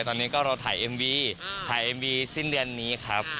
ตอนนี้ก็เราถ่ายเอ็มวีถ่ายเอ็มวีสิ้นเดือนนี้ครับ